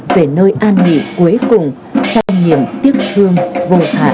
về nơi an nghỉ cuối cùng trách nhiệm tiếc thương vô hạn